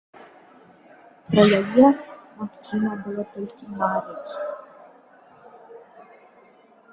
Пра яе магчыма было толькі марыць.